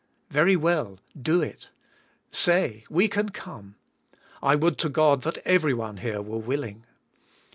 Very well, do it. Say, We can come. I would to God that every one here were willing.